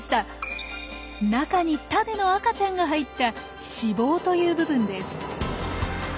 中にタネの赤ちゃんが入った「子房」という部分です。